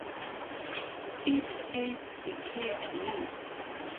It eats decayed wood.